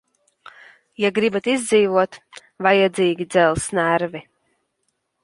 Ja gribat izdzīvot, vajadzīgi dzelzs nervi.